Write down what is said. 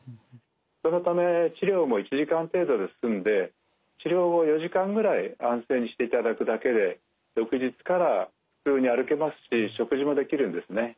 そのため治療も１時間程度で済んで治療後４時間ぐらい安静にしていただくだけで翌日から普通に歩けますし食事もできるんですね。